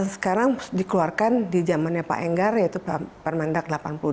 sekarang dikeluarkan di zamannya pak enggar yaitu permandak delapan puluh dua dua ribu tujuh belas